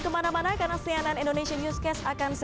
pemimpin redaksi tv